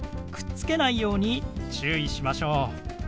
くっつけないように注意しましょう。